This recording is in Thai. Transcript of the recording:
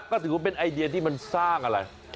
ก็ถือว่าเป็นไอเดียที่มันสร้างอะไร